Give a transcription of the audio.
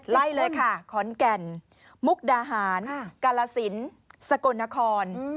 ไล่เลยค่ะขอนแก่นมุกดาหารกาลสินสกลนคร